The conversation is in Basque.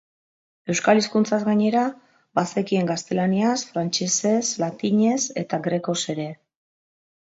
Euskal hizkuntzaz gainera, bazekien gaztelaniaz, frantsesez, latinez eta grekoz ere.